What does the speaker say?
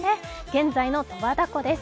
現在の十和田湖です。